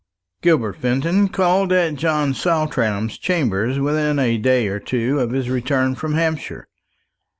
Gilbert Fenton called at John Saltram's chambers within a day or two of his return from Hampshire.